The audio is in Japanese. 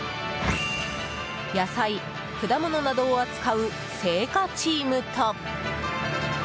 野菜、果物などを扱う青果チームと。